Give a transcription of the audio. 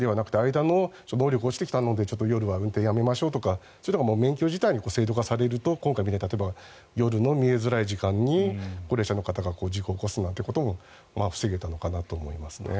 間の、能力が落ちてきたので夜は運転をやめましょうとかそういう免許自体に制度化されると、今回の例えば、夜の見えづらい時間に高齢者の方が事故を起こすことも防げたのかなと思います。